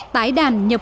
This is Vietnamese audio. tái đàn nhập